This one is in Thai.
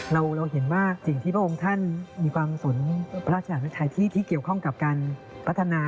เราเห็นว่าสิ่งที่พระองค์ท่านมีความสนพระราชารุทัยที่เกี่ยวข้องกับการพัฒนา